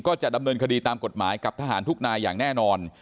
จะดำเนินคดีตามกฎหมายกับทหารทุกนายอย่างแน่นอน